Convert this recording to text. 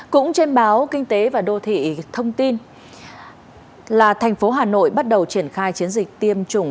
cũng trên báo kinh tế và đô thị thông tin là thành phố hà nội bắt đầu triển khai chiến dịch tiêm chủng